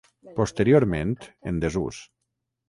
Posteriorment en desús.